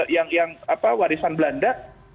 yang warisan belanda